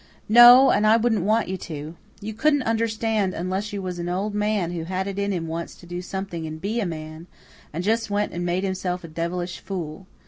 "No and I wouldn't want you to. You couldn't understand unless you was an old man who had it in him once to do something and be a MAN, and just went and made himself a devilish fool.